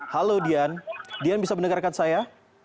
halo dian dian bisa mendengarkan saya